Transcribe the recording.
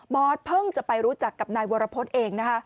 อสเพิ่งจะไปรู้จักกับนายวรพฤษเองนะคะ